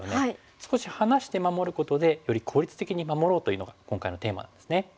少し離して守ることでより効率的に守ろうというのが今回のテーマなんですね。